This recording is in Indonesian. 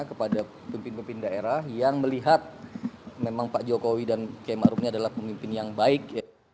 kepada pemimpin pemimpin daerah yang melihat memang pak jokowi dan km arief ini adalah pemimpin yang baik